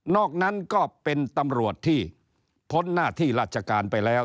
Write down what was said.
อกนั้นก็เป็นตำรวจที่พ้นหน้าที่ราชการไปแล้ว